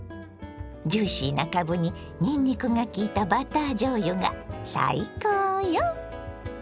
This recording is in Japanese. ジューシーなかぶににんにくがきいたバターじょうゆが最高よ！